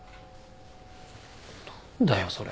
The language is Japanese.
何だよそれ。